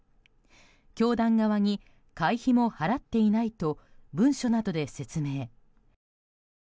教団側に会費も払っていないと文書などで説明。